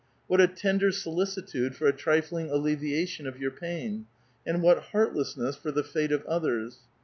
What a tender solicitude for a trifling alleviation of your pain, and what heartlessness for the fate of others!